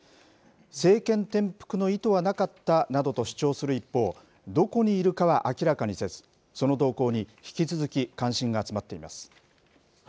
政権転覆の意図はなかったなどと主張する一方、どこにいるかは明らかにせず、その動向に引き続き関心が集まっています。